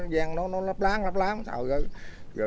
gian nó nó lắp láng lắp láng